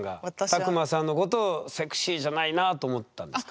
卓馬さんのことを「セクシーじゃないな」と思ったんですか？